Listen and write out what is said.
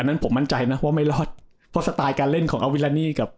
นั้นผมมั่นใจนะว่าไม่รอดเพราะสไตล์การเล่นของอาวิรานีกับ